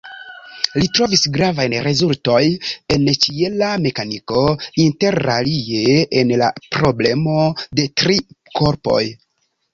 Li trovis gravajn rezultoj en ĉiela mekaniko, interalie en la problemo de tri korpoj.